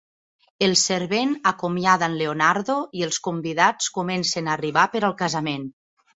El servent acomiada en Leonardo i els convidats comencen a arribar per al casament.